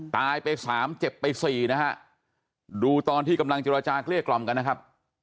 ตายไปสามเจ็บไปสี่นะฮะดูตอนที่กำลังเจรจาเกลี้ยกล่อมกันนะครับ